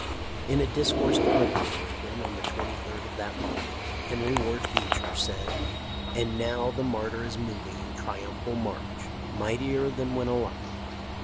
In a discourse delivered on Lincoln on the 23d of that month, Henry Ward Beecher said: "And now the martyr is moving in triumphal march, mightier than when alive.